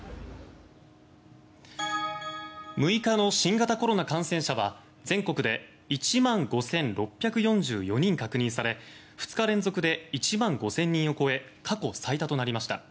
６日の新型コロナ感染者は全国で１１万５６４４人確認され２日連続で１万５０００人を超え過去最多となりました。